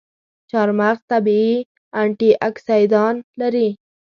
چارمغز طبیعي انټياکسیدان لري.